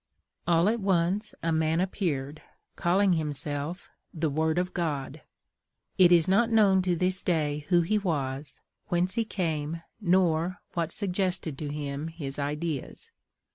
All at once a man appeared, calling himself The Word of God. It is not known to this day who he was, whence he came, nor what suggested to him his ideas.